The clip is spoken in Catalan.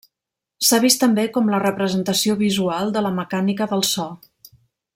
S'ha vist també com la representació visual de la mecànica del so.